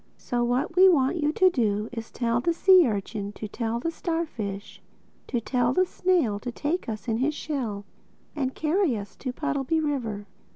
So what we want you to do is to tell the sea urchin to tell the starfish to tell the snail to take us in his shell and carry us to Puddleby River.